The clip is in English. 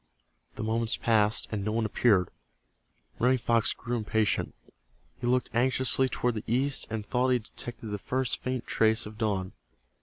The moments passed and no one appeared. Running Fox grew impatient. He looked anxiously toward the east and thought he detected the first faint trace of dawn.